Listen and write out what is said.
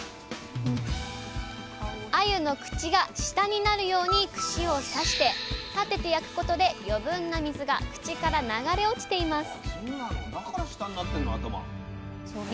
あゆの口が下になるように串を刺して立てて焼くことで余分な水が口から流れ落ちています